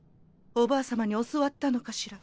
おばあ様に教わったのかしら。